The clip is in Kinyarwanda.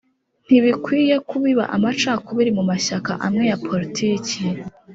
Ntibikwiye kubiba amacakubiri mu mashyaka amwe ya poritiki